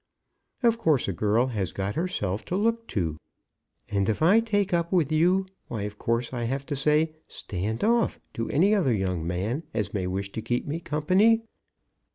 Of course, a girl has got herself to look to; and if I take up with you, why, of course, I have to say, 'Stand off,' to any other young man as may wish to keep me company.